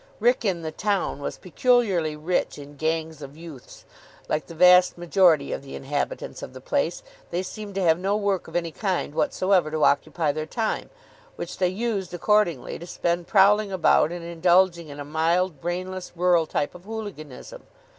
Wrykyn, the town, was peculiarly rich in "gangs of youths." Like the vast majority of the inhabitants of the place, they seemed to have no work of any kind whatsoever to occupy their time, which they used, accordingly, to spend prowling about and indulging in a mild, brainless, rural type of hooliganism.